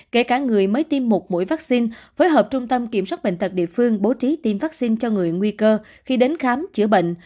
kể cả người mới tiêm một mũi vaccine phối hợp trung tâm kiểm soát bệnh tật địa phương bố trí tiêm vaccine cho người nguy cơ khi đến khám chữa bệnh